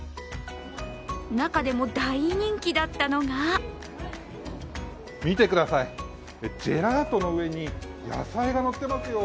中でも大人気だったのが見てください、ジェラートの上に野菜がのってますよ